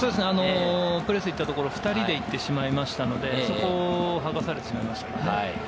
プレスに行ったところ、２人で行ってしまいましたので、そこを剥がされてしまいましたね。